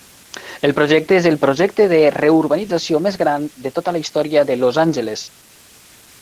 El projecte és el projecte de reurbanització més gran de tota la història de Los Angeles.